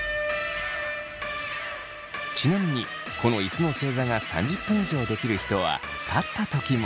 ちなみにこの椅子の正座が３０分以上できる人は立った時も。